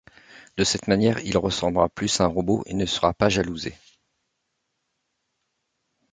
De cette manière, il ressemblera plus à un robot et ne sera pas jalousé.